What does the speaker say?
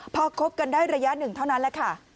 พอคบกันได้ระยะหนึ่งเท่านั้นแหละค่ะ